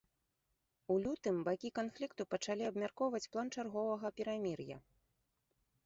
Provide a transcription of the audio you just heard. У лютым бакі канфлікту пачалі абмяркоўваць план чарговага перамір'я.